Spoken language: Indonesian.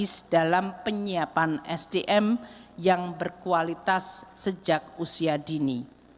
inisiatif baru dari sisi peningkatan gizi anak sekolah akan menjadi program strategis dalam penyiapan stm yang berkualitas sejak usia dini